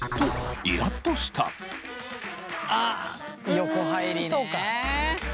横入りね。